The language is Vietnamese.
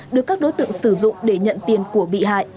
được các đối tượng sử dụng để nhận tiền của bị hại